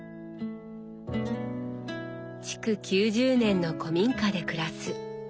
築９０年の古民家で暮らす。